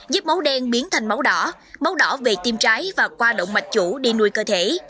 giết máu đen biến thành máu đỏ máu đỏ về tim trái và qua động mạch chủ đi nuôi cơ thể